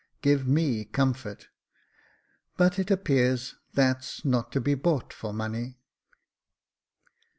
Give me comfort; but it appears that's not to be bought for money."